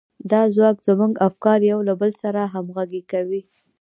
دا ځواک زموږ افکار يو له بل سره همغږي کوي.